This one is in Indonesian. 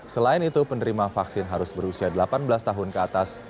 selain itu penerima vaksin harus berusia delapan belas tahun ke atas